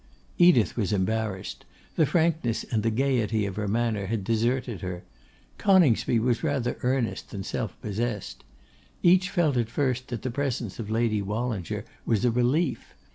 Edith was embarrassed; the frankness and the gaiety of her manner had deserted her; Coningsby was rather earnest than self possessed. Each felt at first that the presence of Lady Wallinger was a relief.